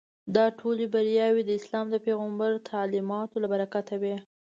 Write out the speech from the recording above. دا ټولې بریاوې د اسلام د پیغمبر تعلیماتو له برکته وې.